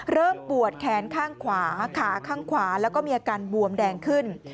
ปวดแขนข้างขวาขาข้างขวาแล้วก็มีอาการบวมแดงขึ้น